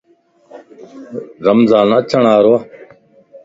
رمضان اچڻ وارائي